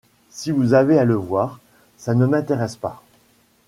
Si vous avez à le voir, ça ne m’intéresse pas.